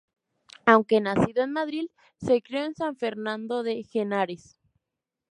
Aunque nacido en Madrid, se crio en San Fernando de Henares.